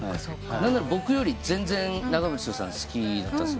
何なら僕より全然長渕剛さん好きだった。